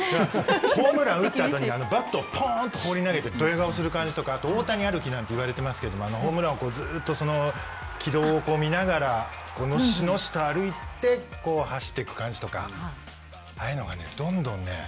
ホームランを打ったあとにバットをぽんと放り投げてどや顔する感じとか大谷歩きなんて言われてますけどホームランをずっと軌道を見ながらのしのしと歩いて走っていく感じとかああいうのがねどんどんね